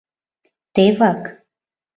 Тевак.